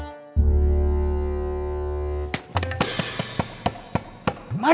sampai jumpa lagi